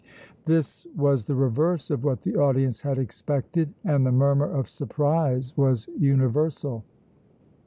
This was the reverse of what the audience had expected and the murmur of surprise was universal.